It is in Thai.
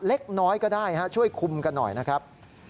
เล็กน้อยก็ได้ช่วยคุมกันหน่อยนะครับ